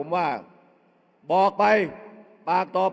เอาข้างหลังลงซ้าย